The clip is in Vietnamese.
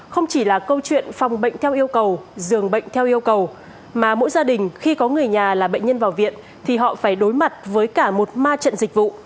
không chỉ là câu chuyện phòng bệnh theo yêu cầu dường bệnh theo yêu cầu mà mỗi gia đình khi có người nhà là bệnh nhân vào viện thì họ phải đối mặt với cả một ma trận dịch vụ